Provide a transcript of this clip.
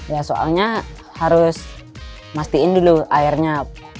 ya soalnya harus mastiin dulu airnya